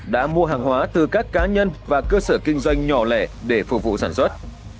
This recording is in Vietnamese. đã mua hàng hóa từ các cá nhân và cơ sở kinh doanh nhỏ lẻ để phục vụ sản xuất